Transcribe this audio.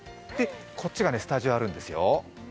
こっちがスタジオあるんですよ。